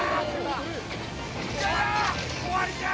終わりじゃ！